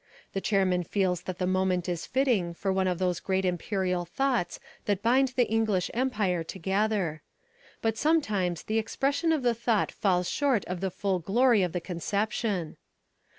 The chairman feels that the moment is fitting for one of those great imperial thoughts that bind the British Empire together. But sometimes the expression of the thought falls short of the full glory of the conception.